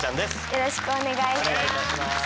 よろしくお願いします。